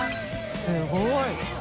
すごい。